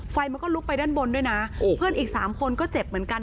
ไฟมันก็ลุกไปด้านบนด้วยนะเพื่อนอีกสามคนก็เจ็บเหมือนกัน